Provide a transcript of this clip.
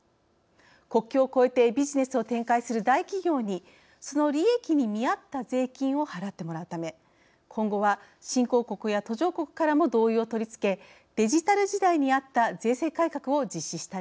国境を越えてビジネスを展開する大企業にその利益に見合った税金を払ってもらうため今後は新興国や途上国からも同意を取りつけデジタル時代にあった税制改革を実施したい考えです。